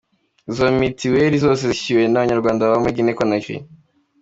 Izo mitiweri zose zishyuwe n’Abanyarwanda baba muri Guinée-Conakry.